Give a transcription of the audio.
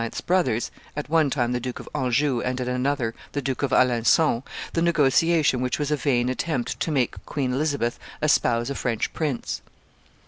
's brothers, at one time the Duke of Anjou and at another the Duke of Alencon, the negotiation which was a vain attempt to make Queen Elizabeth espouse a French prince.